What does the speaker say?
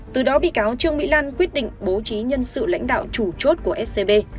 từ đó bị cáo trương mỹ lan quyết định bố trí nhân sự lãnh đạo chủ chốt của scb